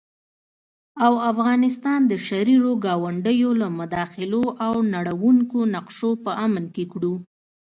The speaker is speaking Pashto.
او افغانستان د شريرو ګاونډيو له مداخلو او نړوونکو نقشو په امن کې کړو